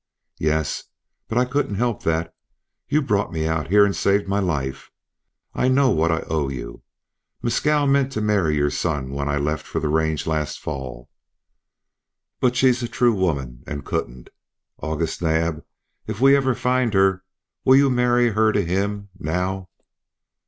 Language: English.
"Yes. But I couldn't help that. You brought me out here, and saved my life. I know what I owe you. Mescal meant to marry your son when I left for the range last fall. But she's a true woman and couldn't. August Naab, if we ever find her will you marry her to him now?"